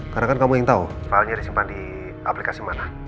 karena kan kamu yang tau filenya disimpan di aplikasi mana